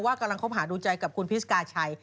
ว่ากำลังเข้าหาดูใจกับพิศกาชัย